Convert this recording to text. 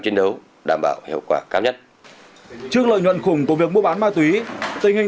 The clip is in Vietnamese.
chiến đấu đảm bảo hiệu quả cao nhất trước lợi nhuận khủng của việc mua bán ma túy tình hình